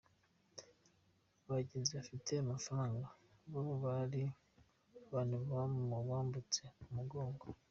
Abagenzi bafite amafaranga bo hari abantu babambutsa ku mugongo.